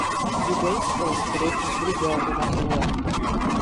Vi dois cães pretos brigando na rua